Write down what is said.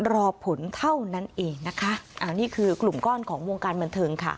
รอผลเท่านั้นเองนะคะอ่านี่คือกลุ่มก้อนของวงการบันเทิงค่ะ